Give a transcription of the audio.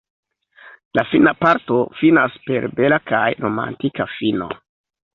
La fina parto finas per bela kaj romantika fino.